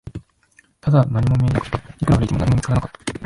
ただ、何もなかった、いくら歩いても、何も見つからなかった